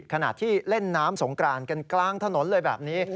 ขณะที่เล่นน้ำสงกรานกันกลางถนนเลยแบบนี้